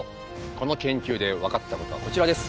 この研究で分かったことはこちらです。